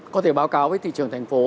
có thể báo cáo với thị trường thành phố